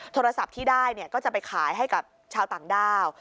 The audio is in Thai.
โทรศัพท์ที่ได้ก็จะไปขายให้กับชาวต่างด้าว